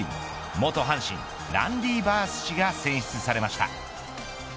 元阪神ランディ・バース氏が選出されました。